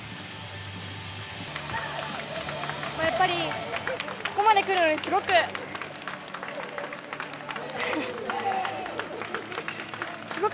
やっぱりここまでくるのにすごく。